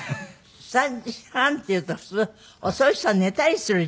３時半っていうと普通遅い人は寝たりする時間。